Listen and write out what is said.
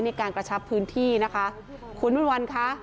ในการกระชับพื้นที่นะคะคุณวันค่ะ